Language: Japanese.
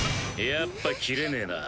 やっぱ斬れねぇな。